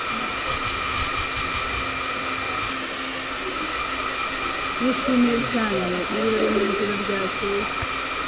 Nishimiye cyane ibirori mu ijoro ryakeye.